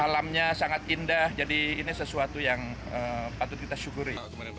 alamnya sangat indah jadi ini sesuatu yang patut kita syukuri